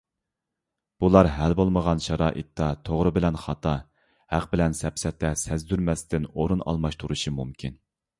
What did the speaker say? بۇلار ھەل بولمىغان شارائىتتا توغرا بىلەن خاتا، ھەق بىلەن سەپسەتە سەزدۇرمەستىن ئورۇن ئالماشتۇرۇشى مۇمكىن.